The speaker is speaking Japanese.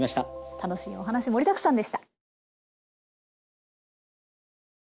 楽しいお話盛りだくさんでした。